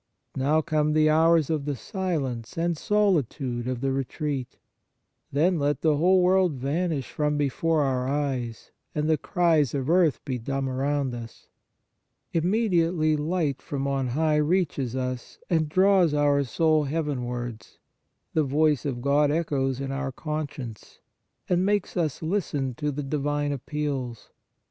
Now come the hours of the silence and solitude of the retreat ; then let the whole world vanish from before our eyes, and the cries of earth be dumb around us. Immediately light from on high reaches us and draws our soul heavenwards, the voice of God echoes in our conscience, and makes us listen to the divine appeals.